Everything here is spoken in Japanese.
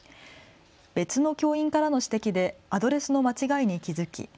別の教員からの指摘でアドレスの間違いに気付き